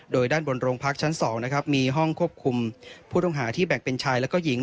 โดยด้านบนโรงพักชั้น๒นะครับมีห้องควบคุมผู้ต้องหาที่แบ่งเป็นชายและหญิง